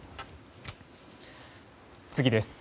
次です。